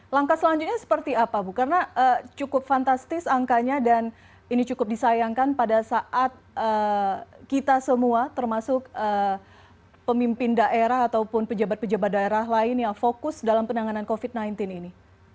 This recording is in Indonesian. langkah selanjutnya seperti apa bu karena cukup fantastis angkanya dan ini cukup disayangkan pada saat kita semua termasuk pemimpin daerah ataupun pejabat pejabat daerah lain yang fokus dalam penanganan covid sembilan belas ini